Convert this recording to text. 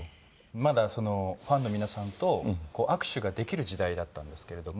まだファンの皆さんとこう握手ができる時代だったんですけれども。